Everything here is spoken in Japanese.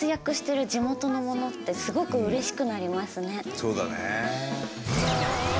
そうだね。